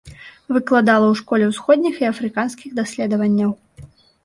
Выкладала ў школе ўсходніх і афрыканскіх даследаванняў.